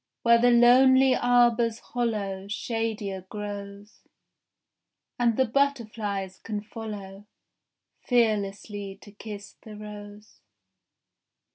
Where the lonely arbour's hollow Shadier grows, And the butterflies can follow Fearlessly to kiss the rose.